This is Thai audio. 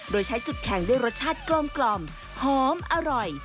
โดยใช้จุดแข่งด้วยรสชาติกลมหอมอร่อย